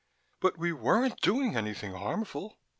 "But we weren't doing anything harmful.